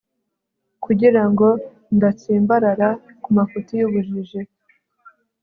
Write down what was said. kugira ngo ndatsimbarara ku mafuti y'ubujiji